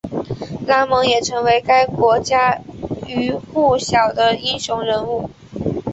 拉蒙也成为该国家喻户晓的英雄人物。